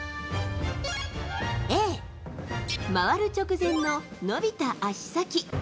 Ａ、回る直前の伸びた足先。